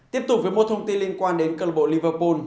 tiếp tục với một thông tin liên quan đến club liverpool